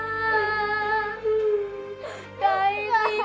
kak aini om